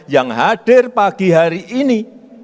yang hadir pagi hari ini